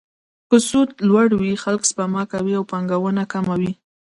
که سود لوړ وي، خلک سپما کوي او پانګونه کمه وي.